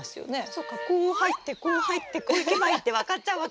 そっかこう入ってこう入ってこう行けばいいって分かっちゃうわけですね。